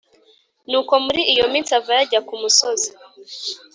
nuko muri iyo minsi avayo ajya ku musozi